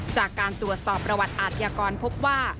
จากการตรวจสอบประวัติอาทยากรพบว่า